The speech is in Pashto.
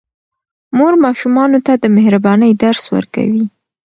مور ماشومانو ته د مهربانۍ درس ورکوي.